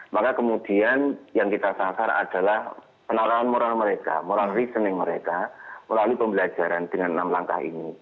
maka kemudian yang kita sasar adalah penanganan moral mereka moral reasoning mereka melalui pembelajaran dengan enam langkah ini